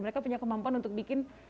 mereka punya kemampuan untuk bikin